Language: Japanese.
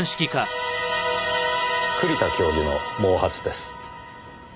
栗田教授の毛髪です。